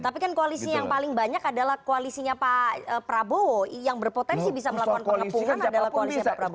tapi kan koalisi yang paling banyak adalah koalisinya pak prabowo yang berpotensi bisa melakukan pengepungan adalah koalisi pak prabowo